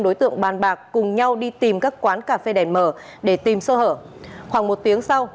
đối tượng bàn bạc cùng nhau đi tìm các quán cà phê đèn mở để tìm sơ hở khoảng một tiếng sau